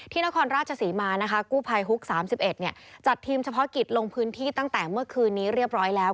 นครราชศรีมานะคะกู้ภัยฮุก๓๑จัดทีมเฉพาะกิจลงพื้นที่ตั้งแต่เมื่อคืนนี้เรียบร้อยแล้ว